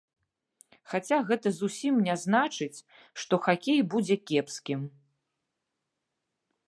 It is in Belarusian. Хаця гэта зусім не значыць, што хакей будзе кепскім.